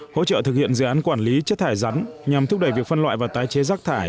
hỗ trợ thực hiện dự án quản lý chất thải rắn nhằm thúc đẩy việc phân loại và tái chế rác thải